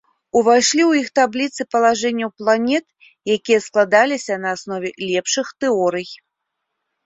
Увайшлі ў іх табліцы палажэнняў планет, якія складаліся на аснове лепшых тэорый.